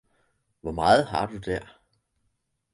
hvor meget har du dér?